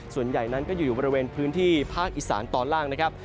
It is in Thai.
ส่วนใหญ่นั้นก็อยู่บริเวณพื้นที่ภาคอีสานตอนล่างนะครับ